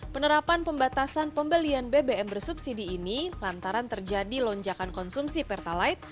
penerapan pembatasan pembelian bbm bersubsidi ini lantaran terjadi lonjakan konsumsi pertalite